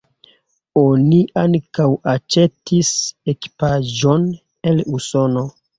Oni ankaŭ aĉetis ekipaĵon el Usono.